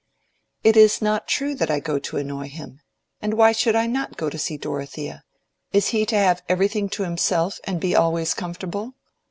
"It is not true that I go to annoy him, and why should I not go to see Dorothea? Is he to have everything to himself and be always comfortable?